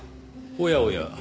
おやおや。